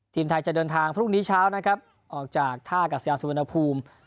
ทีมไทยจะเดินทางพรุ่งนี้เช้านะครับออกจากท่ากัศยาสุวรรณภูมิ